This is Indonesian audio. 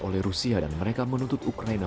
oleh rusia dan mereka menuntut ukraina